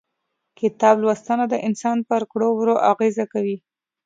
کتاب لوستنه د انسان پر کړو وړو اغيزه کوي.